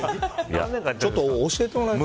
ちょっと教えてもらいたい。